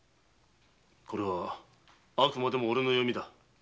これはあくまでもおれの読みだ。